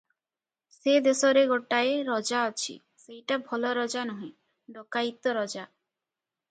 ସେ ଦେଶରେ ଗୋଟାଏ ରଜା ଅଛି, ସେଇଟା ଭଲ ରଜା ନୁହେ, ଡକାଇତ ରଜା ।